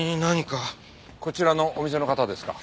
こちらのお店の方ですか？